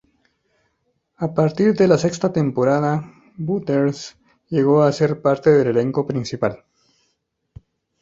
A partir de la sexta temporada, Butters llegó a ser parte del elenco principal.